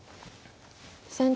先手